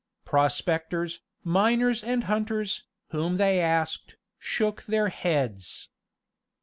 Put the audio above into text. Prospectors, miners and hunters, whom they asked, shook their heads.